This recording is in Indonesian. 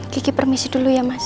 gigi permisi dulu ya mas